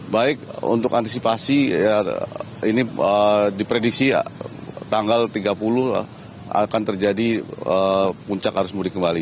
baik untuk antisipasi ini diprediksi ya tanggal tiga puluh akan terjadi puncak arus mudik kembali